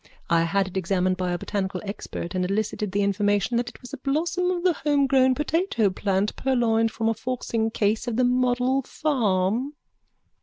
I had it examined by a botanical expert and elicited the information that it was a blossom of the homegrown potato plant purloined from a forcingcase of the model farm.